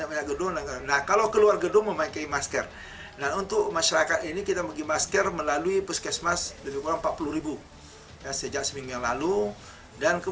sementara itu bmkg pekanbaru mengimbau masyarakat untuk tidak melakukan pembukaan lahan dengan cara membakar